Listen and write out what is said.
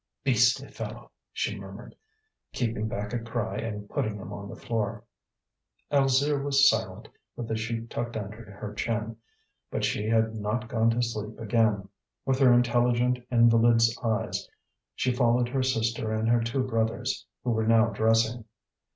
"Beastly fellow!" she murmured, keeping back a cry and putting him on the floor. Alzire was silent, with the sheet tucked under her chin, but she had not gone to sleep again. With her intelligent invalid's eyes she followed her sister and her two brothers, who were now dressing.